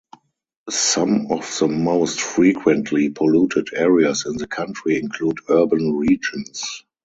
Some of the most frequently polluted areas in the country include urban regions.